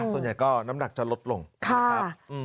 ส่วนใหญ่ก็น้ำหนักจะลดลงนะครับ